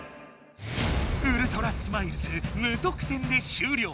ウルトラスマイルズ無得点でしゅうりょう。